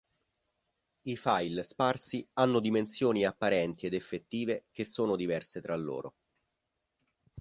I file sparsi hanno dimensioni apparenti ed effettive che sono diverse tra loro.